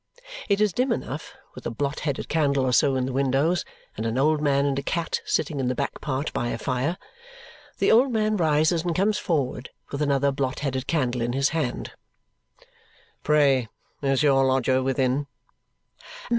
It is dim enough, with a blot headed candle or so in the windows, and an old man and a cat sitting in the back part by a fire. The old man rises and comes forward, with another blot headed candle in his hand. "Pray is your lodger within?"